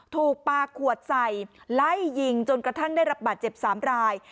ถูกปลาขวดใส่ไล่ยิงจนกระทั่งได้รับบาดเจ็บ๓ราย